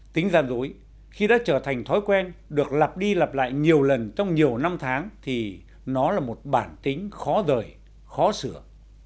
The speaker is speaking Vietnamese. tính gian dối khi đã trở thành thói quen được lặp đi lặp lại nhiều lần trong nhiều năm tháng thì nó là một bản tính khó rời khó sửa